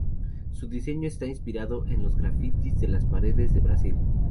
Su diseño está inspirado en los grafitis de las paredes de Brasil.